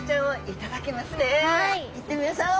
行ってみましょう。